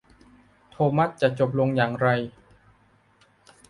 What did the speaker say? โทมัสจะจบลงอย่างไร ?